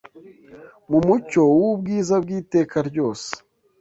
mu mucyo w’ubwiza bw’iteka ryose